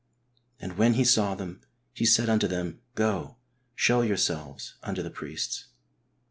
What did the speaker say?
"And when He saw them, He said unto them, Go, shew yourselves unto the priests."